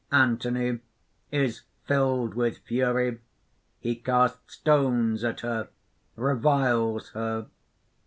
_) ANTHONY (_is filled with fury. He casts stones at her, reviles her.